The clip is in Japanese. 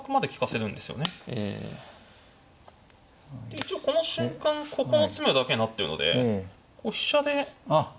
で一応この瞬間ここの詰めろだけになってるので飛車で回って。